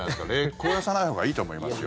凍らせないほうがいいと思いますよ。